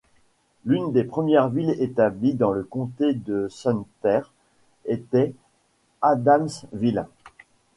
L'une des premières villes établies dans le comté de Sumter était Adamsville.